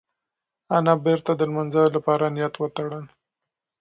انا بېرته د لمانځه لپاره نیت وتړل.